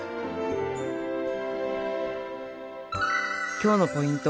今日のポイント。